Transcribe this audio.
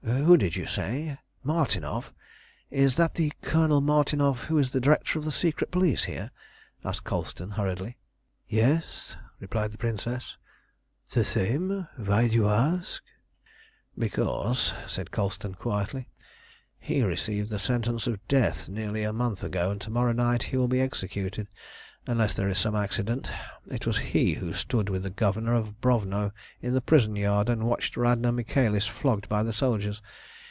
"Who did you say? Martinov? Is that the Colonel Martinov who is the director of the secret police here?" asked Colston hurriedly. "Yes," replied the Princess, "the same. Why do you ask?" "Because," said Colston quietly, "he received the sentence of death nearly a month ago, and to morrow night he will be executed, unless there is some accident. It was he who stood with the governor of Brovno in the prison yard and watched Radna Michaelis flogged by the soldiers.